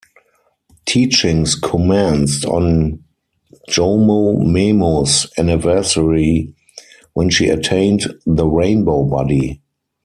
Teachings commenced on Jomo Memo's anniversary, when she attained the rainbow body.